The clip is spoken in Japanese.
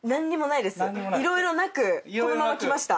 いろいろなくこのまま来ました。